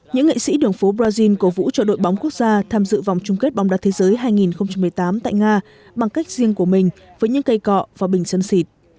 những nghệ sĩ đường phố brazil cố vũ cho đội bóng quốc gia tham dự vòng chung kết bóng đá thế giới hai nghìn một mươi tám tại nga bằng cách riêng của mình với những cây cọ và bình sơn xịt